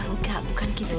enggak bukan gitu